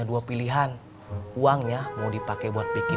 saya bawa uang dari bu dis humbled velvet